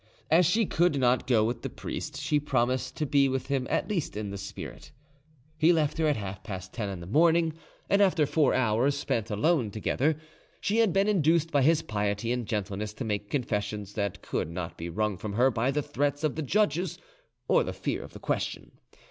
As she could not go with the priest, she promised to be with him at least in the spirit. He left her at half past ten in the morning, and after four hours spent alone together, she had been induced by his piety and gentleness to make confessions that could not be wrung from her by the threats of the judges or the fear of the question.